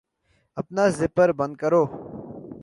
اپنا زپر بند کرو